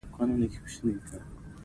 ځينو پيركي خوړل ځينو ايس کريم.